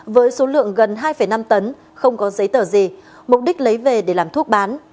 với số lượng gần hai năm tấn không có giấy tờ gì mục đích lấy về để làm thuốc bán